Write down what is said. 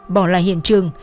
bỏ lại hiện trường